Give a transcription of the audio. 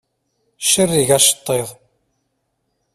Cerreg aceṭṭiḍ.